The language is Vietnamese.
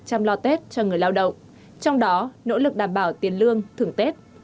chăm lo tết cho người lao động trong đó nỗ lực đảm bảo tiền lương thưởng tết